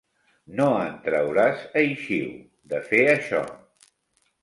No en trauràs eixiu, de fer això.